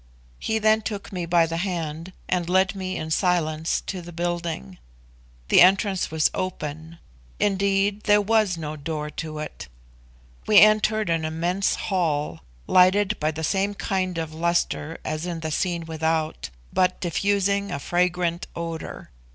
He then took me by the hand and led me in silence to the building. The entrance was open indeed there was no door to it. We entered an immense hall, lighted by the same kind of lustre as in the scene without, but diffusing a fragrant odour.